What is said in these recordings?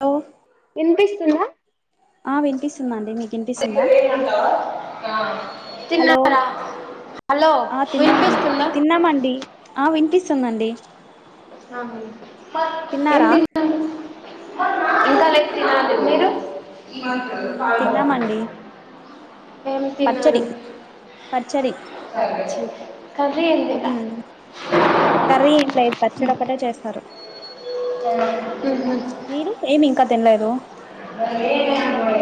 Hello ఇన్పిస్తుందా స్తుంది hello తిన్నారా హలో ఆ తిన్నామండి వినిపిస్తుందా స్తుందండి అవును ఏం తిన్నారు ఇంకా లేదు తినాలి మీరు ఇంత మ్మ్ పాలు తిన్నామండి ఎం తిన్నారు పచ్చడి కర్రీ ఏంది మ్ కర్రీ ఏం లేదు పచ్చడి ఒక్కటే చేస్తారు ఉహు మీరు ఏమ్ ఇంకా తినలేదు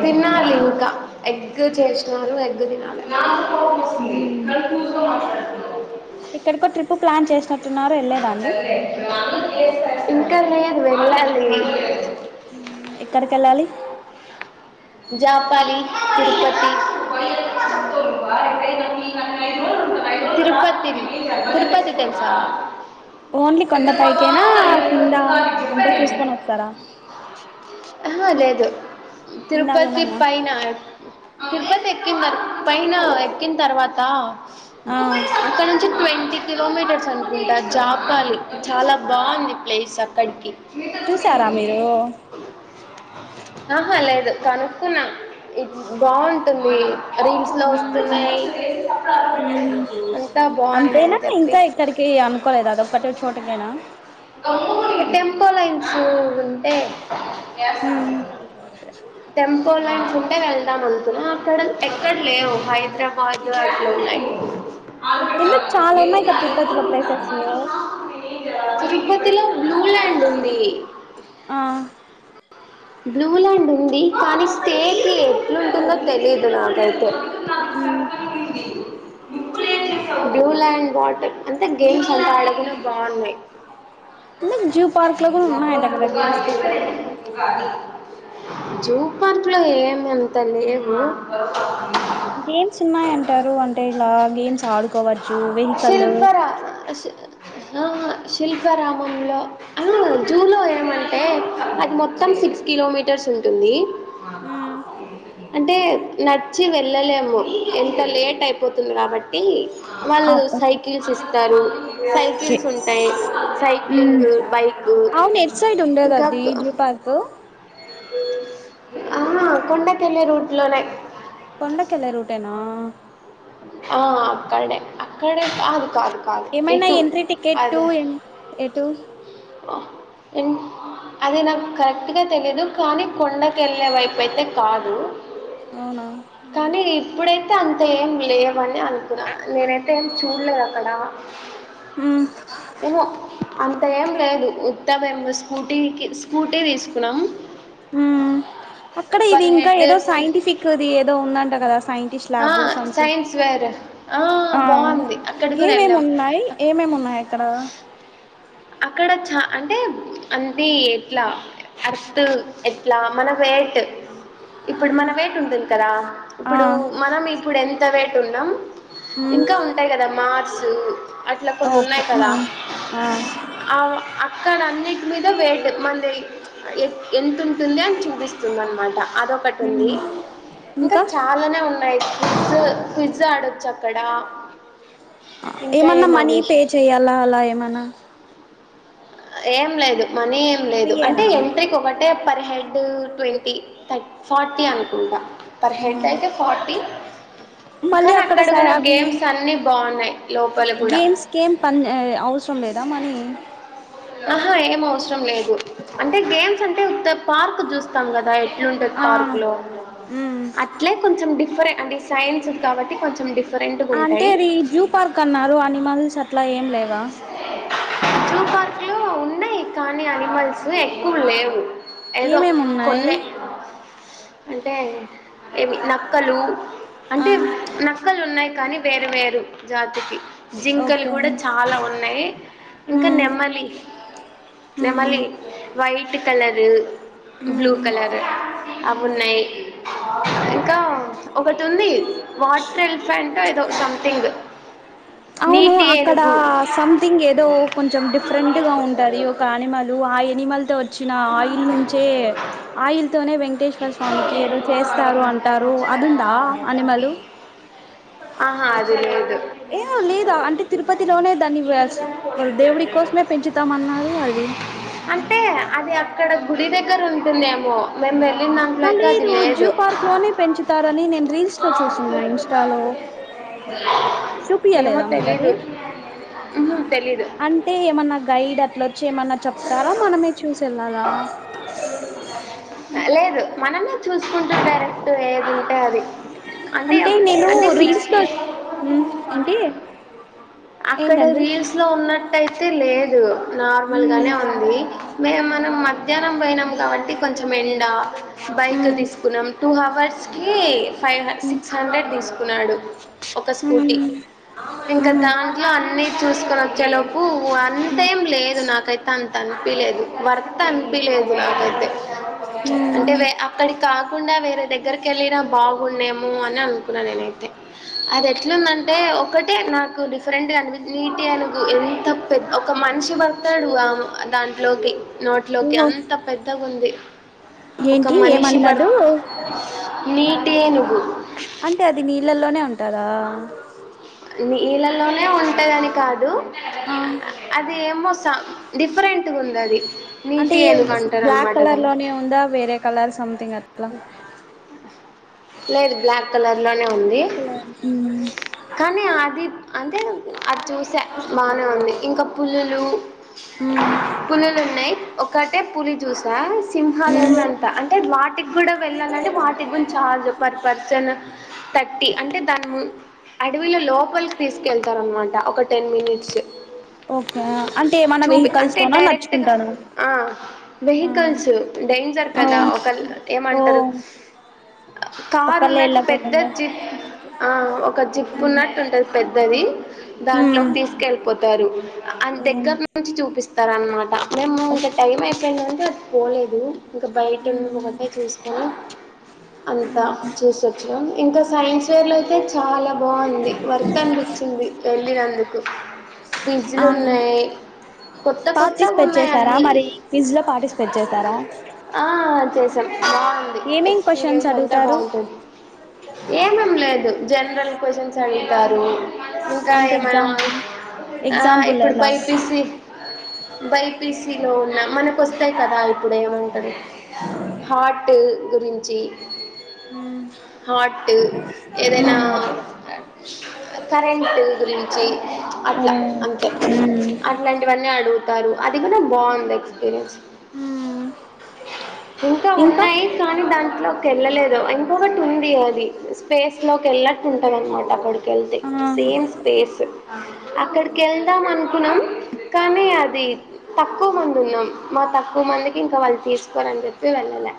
తినాలి ఇంకా ఎగ్ చేసినారు ఎగ్ తినాలి ఉమ్ ఎక్కడి కొ ట్రిప్ ప్లాన్ చేసిన మతాలే [inaudible] ఇంకా లేదు వెళ్లాలి ఉమ్ ఎక్కడికి వెళ్లాలి జాపాలీ తిరుపతి ఉమ్ తిరుపతి తిరుపతి తెలుసా ఓన్లీ కొండ పైకేనా కింద అంతా చూసుకొని వస్తారా దు కింద తిరుపతి కూడానా పైనా తిరుపతి ఎక్కిన పైన ఎక్కిన తర్వాత ఆ అక్కడి నుంచి ట్వం టీ కిలోమీటర్స్ అనుకుంటా జాపాలి చాలా బావుంది ప్లేస్ అక్కడికి చూసారా మీరు అహా లేదు కనుక్కున్నా ఈ బావుంటుంది రీల్స్ లో ఉమ్ వస్తున్నాయి ఉమ్ అంతా బావున్నాయి అంతేనా అని చెప్పి ఇంకా ఎక్కడికి అనుకోలేదు అదొక్కటి చోటుకేనా టెం ఇంకో లైన్స్ ఉంటే ఉమ్ ఇంకోలాండ్స్ ఉంటే వెళ్దాం అనుకున్నా అక్కడ ఎక్కడ లేవు హైదరాబాదు అట్లు ఉన్నాయి ఎందుకు చాలా ఉన్నాయి గా తిరుపతి లో ప్లేసెసు తిరుపతిలో బ్లూల్యాండ్ ఉంది ఆ బ్లూల్యాండ్ ఉంది కానీ స్టేకి ఎట్లుంటుందో తెలీదు నాకైతే ఉమ్ బ్లూ ల్యాండ్ వాటర్ అంటే గేమ్స్ అంతా అడగనే బాగున్నాయి అంటే జూ పార్క్ లో కూడా ఉనాయి అంటా కదా గేమ్స్ తిరుపతి లో జూ పార్క్ లో ఏమి అంతా లేవు గేమ్స్ ఉన్నాయంటారు అంటే ఇలా గేమ్స్ ఆడుకోవచ్చు వెహికలు శిల్పరా శి- ఆ శిల్పారమంలో ఆ జూలో ఏమంటే అది మొత్తం సిక్స్ కిలోమీటర్స్ ఉంటుంది ఆ [unintelligible] అంటే నచ్చి వెళ్ళలేమ్ము ఎంత లేట్ అయిపోంది పోతుంది కాబట్టి వాళ్ళు ఆ ఓకే సైకిల్స్ ఇస్తారు సైకిల్స్ ఉంటాయి ఉమ్ సైక్లింగ్ బైక్ అవును ఎట్ సైడ్ ఉండేది ఇంకా అది జూ పార్క్ ఆ కొండకలే రూట్ లోనే కొండకెళ్ళే రూటేనా ఆ అక్కడే క్కడే కా ఎమఐ నా ఎంట్రీ టకెట్ టటు ఏ టూ అది నాకు కరెక్ట్గా తెలీయదు కానీ కొండకి వెళ్ళే వైపు అయితే కాదు అవునా అంతే లేవని అనుకున్నాను నేనైతే ఏం చూడలేదు అక్కడ ఉమ్ ఏమో అని ఏం లేదు ఉత్త స్కూటీకి స్కూటీ తీసుకున్నాం అక్కడ ఇది పర్ ఇంకా హెడ్ ఏదో సైంటిఫిక్ ఇది ఏదో ఉందంట కదా సైంటిస్ట్ ఆ, ల్యాబు సైన్స్ వేర్ బాగుంది అక్కడికిని ఏమేమి వెళ్ళాము ఉన్నాయి ఏమేమి ఉన్నాయి అక్కడ అక్కడ చ అంటే అంతే ఎట్లా అర్త్ ఎట్లా మన వేట్ ఇప్పుడు మ్మ్ మనం ఏటుంటుంది కదా ఆ ఇప్పుడు మనం పడెంత ఇదవేటు ఉన్నా మ్మ్ ఇంకా ఉంటాయి కదామ్ మ స అట్లా కొన్ని ఓకే ఉన్నాయి కదా ఆ ఆ ఆ అక్కడ అన్నిటి మీద వేట మన ఎ ఎంంత ఉంటుంది అని చూపిస్తుంది అనమాట అదొకటి ఉంది మ్మ్ ఇంకా చాలానే ఉన్నాయి స పిజ్జా ఆడొచ్చు అక్కడ ఇంకా ఏమన్నా మనీ ఏమవి పే చెయ్యాలా అలా ఏమనా ఏం లేదు మనీం లేదు అంటే ఫ్రీయేనా యంత్రకి ఒకటి అంటే పర్ హెడ్ ట్వంటీ థర్ ఫార్టీ అనుకుంటా పర్ హ హెడ్ అయితే ఫార్టీ మళ్ళీ కానీ అక్కడ స కూడా అవి గేమ్స్ అన్నీ బాగున్నాయి లోపల కూడా గేమ్స్ గేమ్ పని అవసరం లేదా మనీ ఆహా ఏం అవసరం లేదు అంటే గేమ్స్ అంటే పార్క్ చూస్తాం కదా నుండర్ ఆ పార్క్ లో మ్మ్ అట్లే కొంచెం డిఫ ఫరే అంటే సైన్స్ కాబటి కొంచెం డిఫ అంటే అది జ్యూ పార్క్ అన్నారు అనిమల్స్ అట్లా ఏం లేవా జూ పార్ అట్లో ఉన్నాయి కానీ అనిమల్స్ ఎక్కువ లేవు ఏదో ఏమేమి ఉన్నాయి కొన్నే అంటే ఏమి నక్కలు ఆ అంటే నక్కలు ఉన్నాయి కానీ వేరు వేరు జాతికి జింకలు ఓకే కూడా చాలా ఉన్నాయి ఇంకా హ్మ్ నెమ్మలి హ్మ్ నమాలి వైట్ క అలదు బ్లూ హ్మ్ కలర్ అవి ఉన్నాయి ఇంకా ఒకటి ఉంది వాటర్ ఎల్ఫంటో ఏదో సింగ్ అవును అక్కడ సంథింగ్ ఏదో కొంచెం డిఫరెంట్గా ఉంటది ఒక అనిమల్ ఆ ఎనిమల్ తో వచ్చిన ఆయిల్ నుంచే ఆయిల్ తోనే వెంకటేశ్వర స్వామికి ఏదో చేస్తారు అంటారు అదిందా అనిమల్ ఆహా అదిలేదు ఏమో లేదా అంటే తిరుపతిలోనే దాన్ని వేస్ దేవుడి కోసమే పెంచుతామన్నారు అవి అంటే అది ఇక్కడ గుడి దగ్గర ఉంటుందేమో మేమ్ ఆ లేదు జూ పార్క్ లోనే పెంచుతారని నేను రీల్స్ లో చూస్తున్నా ఇన్స్టాలో ఏమో చూపిించలేదా మీక అది తెలీదు ఉహుం, తెలీదు అంటే ఏమన్నా గైడ్ అట్లా వచ్చే మ చెప్తారా మనమే చూసి వెళ్ళాలా లేదు మనమే చూసుకుంటుంటార ఏది ఉంటే అది అంటే నేను అంటే సిక్స్ రీల్స్ లో ఉమ్ ఏంటి అక్కడ ఏంటండి రీల్స్ లో ఉన్న టయితే లేదు నార్మల్ ఉమ్ గానే ఉంది మేమ్ మనం మధ్యాహ్న పోయినాం కాబట్టి కొంచెం ఎండ బయక ఉమ్ తీసుకున్నాం తు హ వస్ కి ఫైవ్ సిక్స్ హండ్రెడ్ తీసుకున్నాడు ఒక ఉమ్ స్కూటీ ఇంకా ఉహు దాంట్లో అన్ని చూస్కోలే చలో ఊ అంతేం లేదు నాకైతే అం అనిపిలేదు వర్త్ అనిపిలేదు నాకైతే హ్ అంటే ఉమ్ వే అక్కడి కా కుండా వేరే దగ్గరికి వెళ్ళిన బాగుండేమో అని అనుకున్నా నేనైతే అది ఎట్లుంది అంటే ఒకటే నాక కు డిఫరెంట్ అనిపించి కే అనుగు ఎంత పెద్ద ఒక మనిషి పడతాడు ఆ దాంట్లోకి నోట్లోకి ఓహో అంత పెద్దగా ఉంది ఒక ఏంటి మనిషి పడు ఏమనిమలు నీటి ఏనుగు అంటే అది నీళ్ళల్లోనే ఉంటాదా నీళ్ళలోనే ఉంటాదని కాదు ఆ అది ఏమో స డిఫరెంట్ గా ఉంది అది అంటే నీటి ఈ ఏనుగు అంటారు బ్లాక్ అనమాట కలర్ దాన్ని లోనే ఉందా వేరే కలర్ సం థింగ్ అట్లా లేదు బ్లాక్ కలర్ లోనే ఉంది బ్లాక్ కలర్. ఉమ్ కానీ అది అంటే అది చూసా బానే ఉంది ఇంకా పులులు ఉమ్ పులులు ఉన్నాయి ఒక్కటే పులి చూసా సింహాలు ఉమ్ ఏమి ఎంత అంటే వాటికి కూడా వెళ్ళాలంటే వాటికి గుంచి చాలా పర్ పర్సన్ థర్టీ అంటే దాని ము అడవిలో లోపల తీస్ వెళ్తారన్నమాట ఒక టెన్ మినిట్స్ ఓకే అంటే ఏమన్నా చూపి వెహికల్స్ అంటే లోనా డైరెక్ట్ గా నడుచుకుంటానా ఆ వెహికల్స్ ఆ డేంజర్ కదా ఒక ఓ ఏమంటారు కార్ ఒకళ్ళే ఉన్నట్టు పెద్ద ఎళ్ళకోకుండా జిప్ ఆ ఒక జిప్ ఉన్నట్టు ఉంటంది పెద్దది దాంట్లోకి తీసుకెళ్ పోతారు అ ఓ దగ్గర నుంచి చూపిస్తారు అన్నమాట మేము ఇంకా టైం ఎంటంటే అది పోలేదు ఇంకా బయట ఒక్కటే చూసినా అంతా చూసి వచ్చినాం ఇంకా సైన్స్ వేర్ లో అయితే చాలా బాగుంది వర్త అనిపించింది వెళ్ళినందుకు క్విజ్లు ఆ ఉన్నాయి కొత్త కొత్తగా పార్టిసిపేట్ ఉన్నాయి చేసారా అన్నీ మరి ఫిజ్ లో పార్టిసిపేట్ చేసారా స ఏమేం క్వె అ బాగుంటుంది ఏమం లేదు జనరల్ క్యూషన్ అడుగుతారు ఇంకా అంటే ఏమనా ఎగ్జాంపుల్ ఎగ్జాంపుల్ ఇప్పుడు ఎలా బైపీసి బైపీసలో ఉన్నా మనకు వస్తాయి కదా ఇప్పుడు ఏమ హార్ట్ గురి అ మ్మ్ హార్ట్ ఏదైనా కరెంట్ గురించి ఓ అట్లా అంతే అట్లాంటివన్నీ అడుగుతారు అది కన బాండ్ ఎస్పీన్స్ మ్మ్ ఇంకా ఉన్నాయి కానీ దానికి లోకి వెళ్ళలేదు ఇంకొకటి ఉంది అది స్పేస్ లోకి వెళ్ళట్టు ఉంటది అనమాట అక్కడు వెళ్తే ఆ సేమ్ స్పేస్ అక్కడికి వెళ్దాం అ న్నాం కానీ అది తక్కువ మంది ఉన్నాం మా తక్కువ మందికి ఇంకా వాళ్ళు తీసుకోవరని చెప్పారు వెళ్ళలే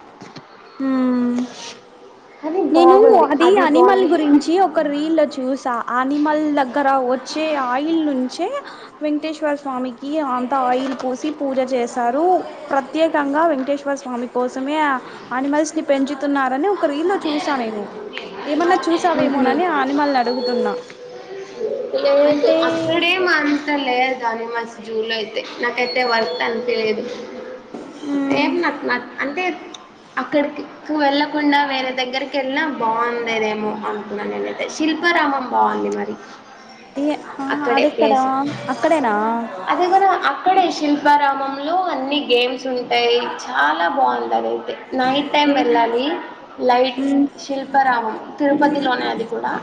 కానీ నేను బాగుంది అది అనిమల్ బాగుంది గురించి ఒక రీల్ చూసా అనిమల్ దగ్గర వచ్చే ఆయిల్ నుంచే వెంకటేశ్వర స్వామికి ఈ అంత ఆయిల్ పూసి పూజ చేస్త చేస్తారు ప్రత్యేకంగా వెంకటేశ్వర స్వామి కోసమే ఆనిమల్స్ ని పెంచు న్నారని ఒక రీల్లో చూసా నేను ఏమన్నా చూసావేమోనని ఆ అనిమల్ని అడుగుతున్నా అంటే కానీ మా స్కూల్లో అయితే నాకైతే వర్త్ అనిపిన్ లేదు మ్మ్ ఏం నా నాకు అంటే అక్కడికి ఎక్కువ వెళ్లక కాకుండా వేరే దగ్గరికి వెళ్ళినా బాగుందేమో అనుకున్నాను నేనైతే శిల్పారామం బాగుంది మరి ఏ ఆ అక్కడే అదెక్కడా ప్లేస్ అక్కడేనా అదే కూడా అక్కడే శిల్పారామం లో అన్ని స్ ఉంటాయి చాలా బాగుంటుంది అయితే నైట్ టైం ఏం వెళ్ళాలి లైట్ మ్మ్ శిల్పారామం తిరుపతి లోనే అది కూడా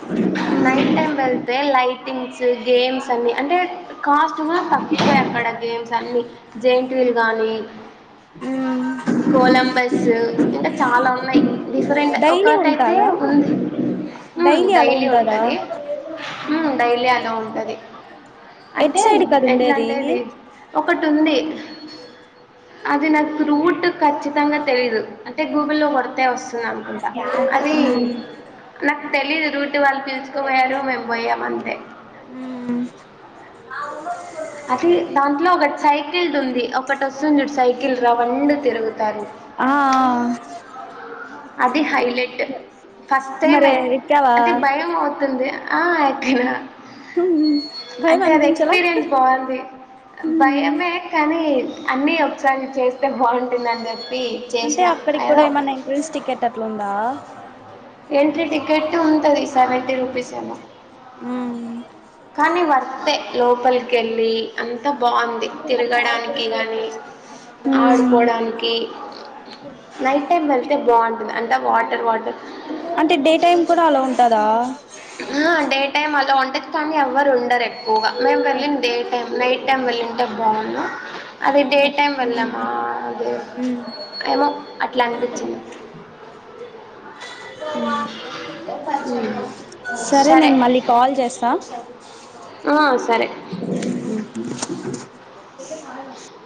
నైట్ టైం వెళ్తే లైట్ థింగ్స్ గేమ్స్ అన్ని అంటే కాస్ట్ కూడా తక్కువే అక్కడ గేమ్స్ అన్నీ జైంట్ వీలు గానీ మ్మ్ కొలంబస్ ఇంకా చాలా ఉన్నాయి డిఫరెంట్ డైలీ ఒకటైతే ఉంటాదా ఉంది. ఉ అలా డైలీ ఉంటదా ఉంటది ఉ డైలీ అలా ఉంటది. ఎట్ అంటే సైడ్ కద ఎట్లా ఉండేది అంటే అది ఒకటి ఉంది. అది నాకు రూట్ ఖచ్చితంగా తెలీదు అంటే గూగుల్లో లో కొడతే అనుకుంటా అది నాకు తెలీదు రూట్ వాళ్ళు పిల్చుకుపోయారు మేము పోయాం అంతే అవును అది దాంట్లో ఒకటి సైడ్ ఉంది [unintelligible] ఒకటి వస్తుంది చూడు సైకిల్ రౌండ్ తిరుగుతారు ఆ అది హైలైట్. ఫస్ట్ టైమ్ మరే ఎ ఎక్కావా అంటే భయం అవుతుంది ఆ ఎక్కినా. భయం అంటే అది అనిపించలా ఎక్స్పీరియన్స్ బాగుంది. భయమే కానీ అన్నీ ఒకసారి చేస్తే బాగుంటుందని చెప్పి అంటే చేసినా అక్కడికి కూడా ఏదో ఏమన్నా ఎంట్రన్స్ టికెట్ అట్లా ఉందా ఎంట్ర్రి టికెట్ ఉంటది సెవెంటీ రూపీస్ ఏమొ మ్మ్ కానీ వర్తే లోపలికి వెళ్ళి అంతా బాగుంది. తిరగడానికి గాని మ్మ్ ఆడుకోడానికి నైట్ టైం వెళ్తే బాగుంటది. అంతా వాటర్ వాటర్ అంటే డే టైమ్ కూడా అలా ఉంటాదా ఆ! [inaudible] కానీ ఎవరు ఉండరు ఎక్ పోగా మేము వెల్లింది డే టైమ్ నైట్ నైటైమ్ వేళ్ళుంటే బాగుండు అదే డే టైం వేళ్లమా అదే ఏమో అట్లా అనిపించింది ఉ సరే ట అ సరే [inaudible]